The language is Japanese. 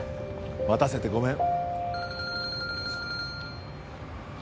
待たせてごめん